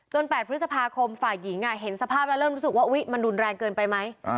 ๘พฤษภาคมฝ่ายหญิงเห็นสภาพแล้วเริ่มรู้สึกว่ามันรุนแรงเกินไปไหม